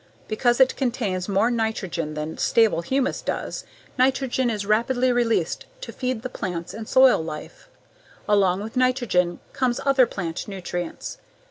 Because it contains more nitrogen than stable humus does, nitrogen is rapidly released to feed the plants and soil life. Along with nitrogen comes other plant nutrients.